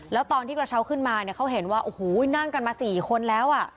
แล้วตอนที่กระเช้าขึ้นมาเนี่ยเขาเห็นว่าโอ้โหนั่งกันมา๔คนแล้วอ่ะ